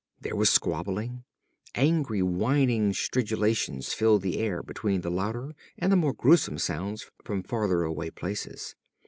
There was squabbling. Angry, whining stridulations filled the air beneath the louder and more gruesome sounds from fartheraway places.